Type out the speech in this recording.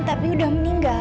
tapi udah meninggal